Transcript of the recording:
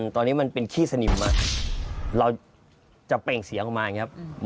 ตอนนี้มันเป็นขี้สนิมเราจะเปล่งเสียงออกมาอย่างนี้ครับ